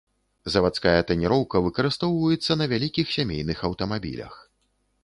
Завадская таніроўка выкарыстоўваецца на вялікіх сямейных аўтамабілях.